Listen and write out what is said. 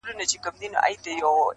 چي یې زده نه وي وهل د غلیمانو -